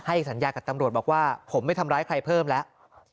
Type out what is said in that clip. สัญญากับตำรวจบอกว่าผมไม่ทำร้ายใครเพิ่มแล้ว